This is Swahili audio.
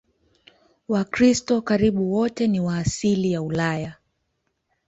Wakristo karibu wote ni wa asili ya Ulaya.